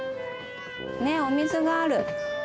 ねえお水がある。